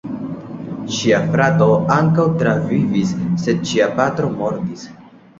Ŝia frato ankaŭ travivis, sed ŝia patro mortis.